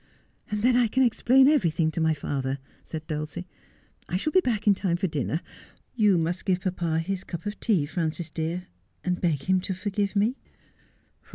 'And then I can explain everything to my father,' said ' That ivould be too Horrible.' 207 Dulcie. 'I shall bo Lack in time for dinner. Yon must give papa his cup of tea, Frances dear, and beg him to forgive me.'